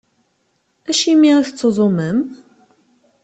Acimi i tettuẓumem?